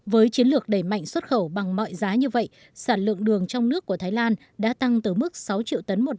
với chiến lược đẩy mạnh xuất khẩu bằng mọi giá như vậy sản lượng đường trong nước của thái lan đã tăng tới mức sáu triệu tấn một